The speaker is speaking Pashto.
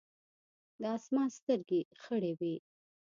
د اسمان سترګې خړې وې ـ